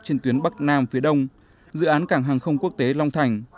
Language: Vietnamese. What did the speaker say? trên tuyến bắc nam phía đông dự án cảng hàng không quốc tế long thành